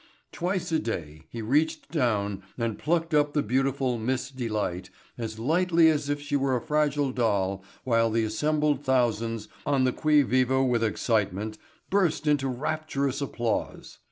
Twice a day he reached down and plucked up the beautiful Miss Delight as lightly as if she were a fragile doll while the assembled thousands, on the qui vive with excitement, burst into rapturous applause.